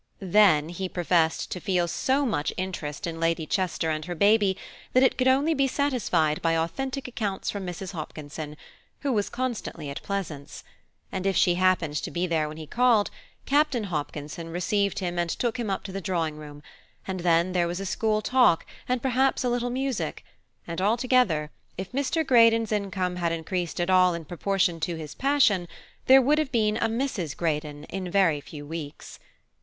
Then he professed to feel so much interest in Lady Chester and her baby that it could only be satisfied by authentic accounts from Mrs. Hopkinson, who was constantly at Pleasance; and if she happened to be there when he called, Captain Hopkinson received him and took him up to the drawing room, and then there was a school talk, and perhaps a little music; and altogether, if Mr. Greydon's income had increased at all in proportion to his passion, there would have been a Mrs. Greydon in a very few weeks.